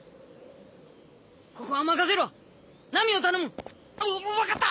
ここは任せろナミを頼むわ分かった！